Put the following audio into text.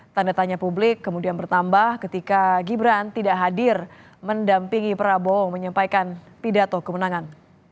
tanda tanya publik kemudian bertambah ketika gibran tidak hadir mendampingi prabowo menyampaikan pidato kemenangan